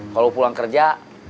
kalau pulang kerja